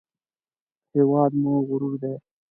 هېواد مو غرور دی